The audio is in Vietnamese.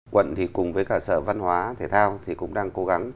quận thì cùng với cả sở văn hóa thể thao thì cũng đang cố gắng